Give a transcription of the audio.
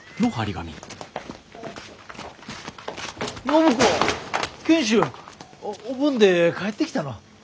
暢子賢秀！お盆で帰ってきたの？